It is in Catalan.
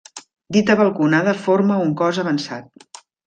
Dita balconada forma un cos avançat.